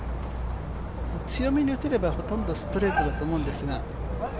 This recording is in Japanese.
強めに打てればほとんどストレートだと思うんですが。